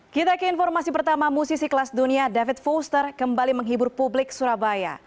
kita ke informasi pertama musisi kelas dunia david foster kembali menghibur publik surabaya